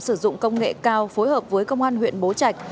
sử dụng công nghệ cao phối hợp với công an huyện bố trạch